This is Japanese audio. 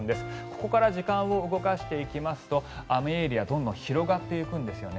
ここから時間を動かしていきますと雨エリア、どんどん広がっていくんですよね。